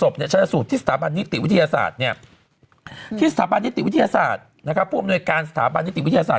ผู้อำนวยการสถาบันนิติวิทยาศาสตร์